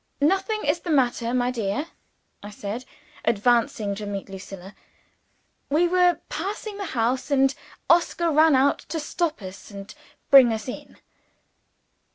"Nothing is the matter, my dear," I said, advancing to meet Lucilla. "We were passing the house, and Oscar ran out to stop us and bring us in."